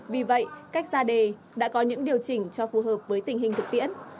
vì vậy cách ra đề đã có những điều chỉnh cho phù hợp với tình hình thực tiễn